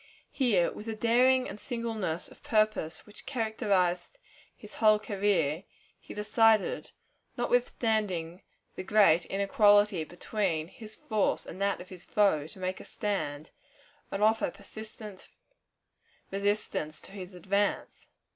Here, with the daring and singleness of purpose which characterized his whole career, he decided, notwithstanding the great inequality between his force and that of his foe, to make a stand, and offer persistent resistance to his advance.